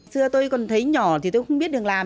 xưa tôi còn thấy nhỏ thì tôi không biết được làm